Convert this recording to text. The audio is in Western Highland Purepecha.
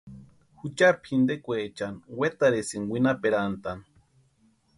Juchari pʼintekwaechani wetarhisïnti winhaperantani.